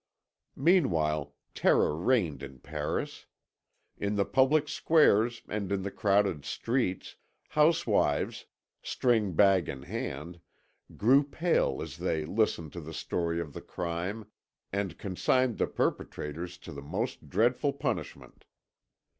Meanwhile terror reigned in Paris. In the public squares, and in the crowded streets, house wives, string bag in hand, grew pale as they listened to the story of the crime, and consigned the perpetrators to the most dreadful punishment.